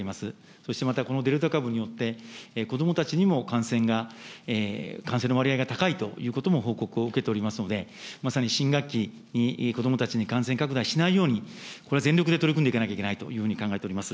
そしてまたこのデルタ株によって、子どもたちにも感染が、感染の割合が高いということも報告を受けておりますので、まさに新学期、子どもたちに感染拡大しないように、これは全力で取り組んでいかなければいけないというふうに考えております。